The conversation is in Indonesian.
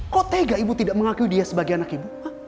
kok tega ibu tidak mengaku dia sebagai anak ibu